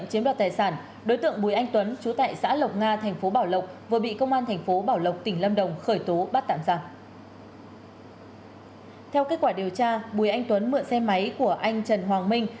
trong điều tra bùi anh tuấn mượn xe máy của anh trần hoàng minh